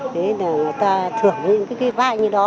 đấy là người ta thưởng những cái vai như đó